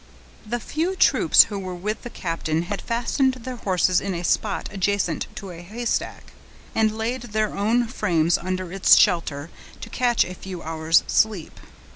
The few troopers who were with the captain had fastened their horses in a spot adjacent to a haystack, and laid their own frames under its shelter, to catch a few hours' sleep.